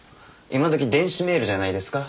今時電子メールじゃないですか？